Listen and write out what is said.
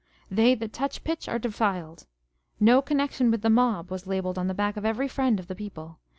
They that touch pitch are defiled. " No connection with the mob," was labelled on the back of every friend of the People.